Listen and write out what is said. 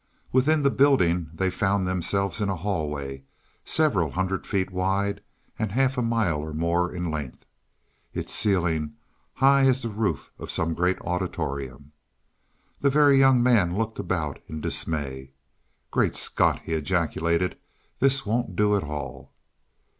Within the building they found themselves in a hallway several hundred feet wide and half a mile or more in length its ceiling high as the roof of some great auditorium. The Very Young Man looked about in dismay. "Great Scott," he ejaculated, "this won't do at all."